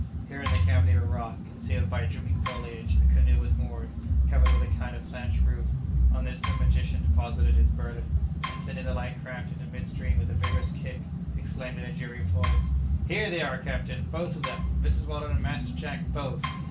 Here in the cavity of a rock, concealed by drooping foliage, a canoe was moored, covered with a kind of thatched roof; on this the magician deposited his burden, and sending the light craft into mid stream with a vigorous kick, exclaimed in a cheery voice, "Here they are, captain! both of them! Mrs. Weldon and Master Jack, both!